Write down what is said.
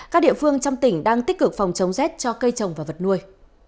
các địa phương trong tỉnh đang tích cực phòng chống rét cho cây trồng và vật nuôi